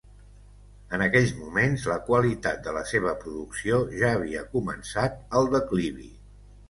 En aquells moments la qualitat de la seva producció ja havia començat el declivi.